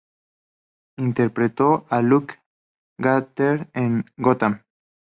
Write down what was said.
Interpretó a Luke Garrett en "Gotham".